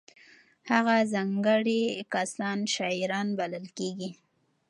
هغه ځانګړي کسان شاعران بلل کېږي.